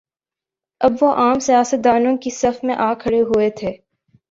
اب وہ عام سیاست دانوں کی صف میں آ کھڑے ہوئے تھے۔